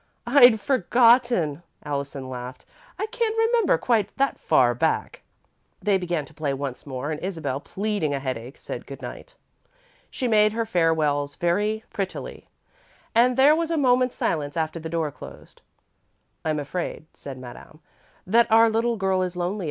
"I'd forgotten," Allison laughed. "I can't remember quite that far back." They began to play once more and Isabel, pleading a headache, said good night. She made her farewells very prettily and there was a moment's silence after the door closed. "I'm afraid," said Madame, "that our little girl is lonely.